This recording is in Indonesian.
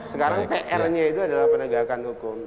sekarang pr nya itu adalah penegakan hukum